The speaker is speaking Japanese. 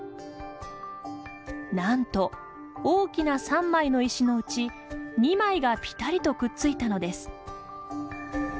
なんと、大きな３枚の石のうち２枚がぴたりとくっついたのです。